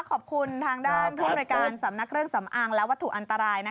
ขอบคุณทางด้านผู้บริการสำนักเครื่องสำอางและวัตถุอันตราย